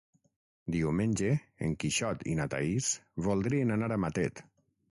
Diumenge en Quixot i na Thaís voldrien anar a Matet.